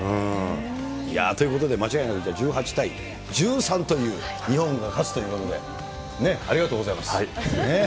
いや、ということで間違いない、１８対１３という、日本が勝つということで、ありがとうございます。